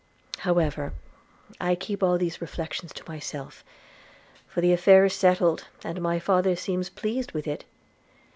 However, I keep all these reflections to myself; for the affair is settled, and my father seems pleased with it.